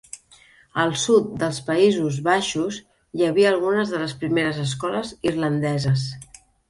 Al sud dels Països Baixos hi havia algunes de les primeres escoles irlandeses.